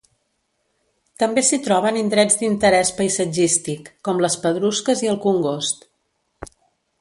També s'hi troben indrets d'interès paisatgístic, com les Pedrusques i el Congost.